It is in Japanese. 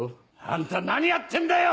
あんた何やってんだよ！